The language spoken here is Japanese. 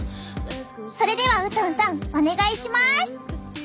それではウトンさんお願いします。